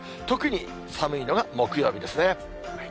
特に寒いのが木曜日ですね。